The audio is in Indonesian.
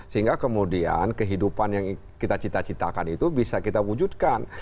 sehingga kemudian kehidupan yang kita cita citakan itu bisa kita wujudkan